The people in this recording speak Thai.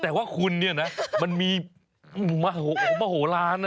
แต่ว่าคุณเนี่ยนะมันมีมโหลานนะ